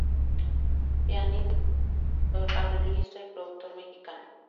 Pianista, compositor, arreglista y productor mexicano.